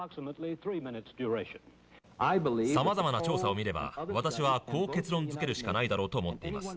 「さまざまな調査を見れば私はこう結論づけるしかないだろうと思っています。